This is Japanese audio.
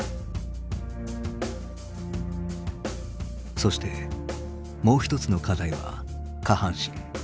そしてもう一つの課題は下半身。